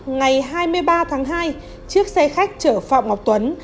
ngày hai mươi ba tháng hai chiếc xe khách chở phạm ngọc tuấn